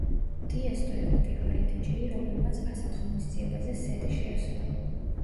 ტიესტო იყო პირველი დიჯეი, რომელმაც ასეთ ღონისძიებაზე სეტი შეასრულა.